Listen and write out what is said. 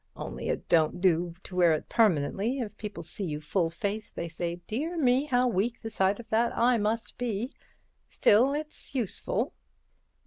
Only it don't do to wear it permanently—if people see you full face they say, 'Dear me! how weak the sight of that eye must be!' Still, it's useful."